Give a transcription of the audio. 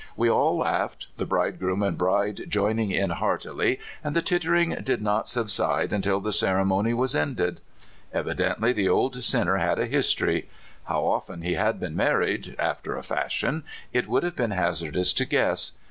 We all laughed, the bridegroom and bride joining in heartily, and the tittering did not subside until the ceremony was ended. Evi dently the old sinner had a history. How often he had been married — after a fashion — it would have been hazardous to guess.